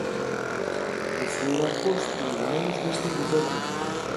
ο φρούραρχος, τυλιγμένος μες στην κουβέρτα του